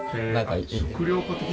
食料庫的な。